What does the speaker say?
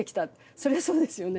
そりゃそうですよね。